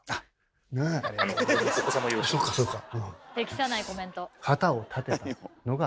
そうかそうか。